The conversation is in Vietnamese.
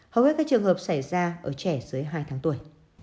hầu hết các trường hợp xảy ra ở trẻ dưới hai tháng tuổi